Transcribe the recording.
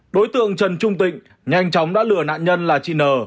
đối tượng trần trung tịnh nhanh chóng đã lừa nạn nhân là chị n